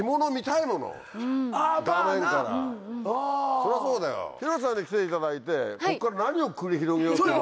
そりゃそうだよ広瀬さんに来ていただいてここから何を繰り広げようというの？